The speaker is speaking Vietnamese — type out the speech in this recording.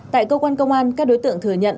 tại cơ quan công an các đối tượng thừa nhận